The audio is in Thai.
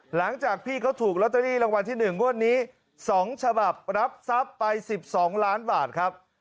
หลังจากพี่เขาถูกลอตเตอรี่รางวัลที่๑งวดนี้๒ฉบับรับทรัพย์ไป๑๒ล้านบาทครับ